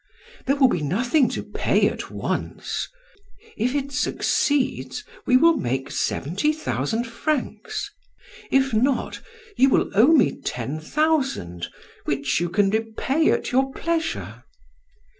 There will be nothing to pay at once. If it succeeds, we will make seventy thousand francs; if not, you will owe me ten thousand which you can repay at your pleasure."